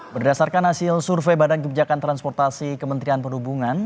berdasarkan hasil survei badan kebijakan transportasi kementerian perhubungan